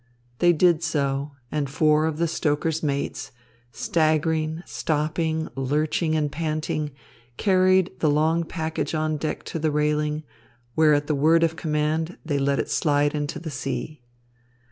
They did so, and four of the stoker's mates, staggering, stopping, lurching and panting, carried the long package on deck to the railing, where at the word of command they let it slide into the sea.